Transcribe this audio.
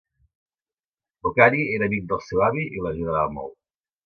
Bokhari era amic del seu avi i l'ajudava molt.